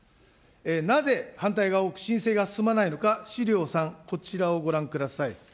なぜ反対が多く、申請が進まないのか、資料３、こちらをご覧ください。